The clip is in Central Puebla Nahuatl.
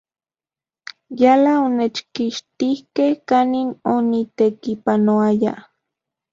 Yala onechkixtikej kanin onitekipanoaya.